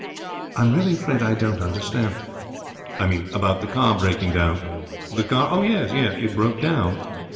'I'm really afraid I don't understand.' 'I mean, about the car breaking down.' 'The car? Oh, yes. Yes, it broke down.